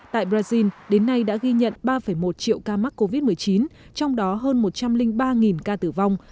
tại brazil đến nay đã ghi nhận ba một triệu ca mắc covid một mươi chín trong đó hơn một trăm linh ba ca tử vong